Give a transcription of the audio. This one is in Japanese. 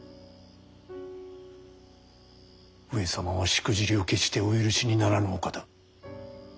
上様はしくじりを決してお許しにならぬお方。